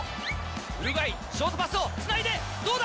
ウルグアイ、ショートパスを繋いで、どうだ？